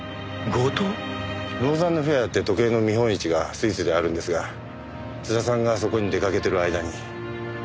ローザンヌフェアって時計の見本市がスイスであるんですが津田さんがそこに出掛けてる間に。